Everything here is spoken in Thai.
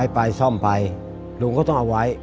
ไปซ่อมไปลุงก็ต้องเอาไว้